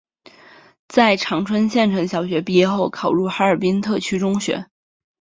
在长春县城小学毕业后考入哈尔滨特区中学。